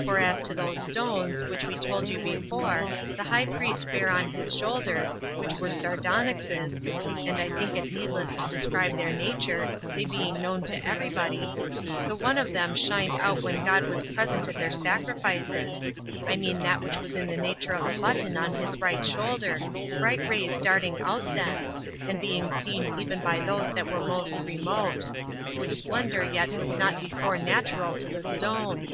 For as to those stones, 22 which we told you before, the high priest bare on his shoulders, which were sardonyxes, [and I think it needless to describe their nature, they being known to every body,] the one of them shined out when God was present at their sacrifices; I mean that which was in the nature of a button on his right shoulder, bright rays darting out thence, and being seen even by those that were most remote; which splendor yet was not before natural to the stone.